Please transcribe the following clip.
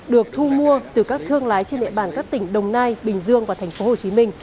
được thu mua từ các thương lái trên địa bàn các tỉnh đồng nai bình dương và tp hcm